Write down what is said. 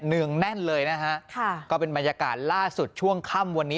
งแน่นเลยนะฮะค่ะก็เป็นบรรยากาศล่าสุดช่วงค่ำวันนี้